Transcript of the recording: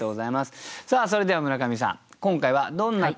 さあそれでは村上さん